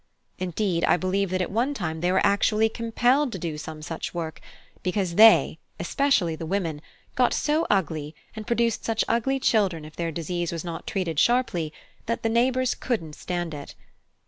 Indeed, I believe that at one time they were actually compelled to do some such work, because they, especially the women, got so ugly and produced such ugly children if their disease was not treated sharply, that the neighbours couldn't stand it.